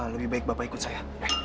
lebih baik bapak ikut saya